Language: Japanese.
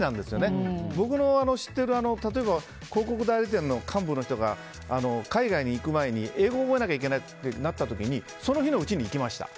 例えば、僕の知ってる広告代理店の幹部の人が海外に行く前に英語を覚えなきゃいけないってなって時にその日のうちに行きました。